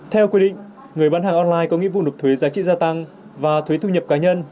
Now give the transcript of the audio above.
theo quy định người bán hàng online có nghĩa vụ nộp thuế giá trị gia tăng và thuế thu nhập cá nhân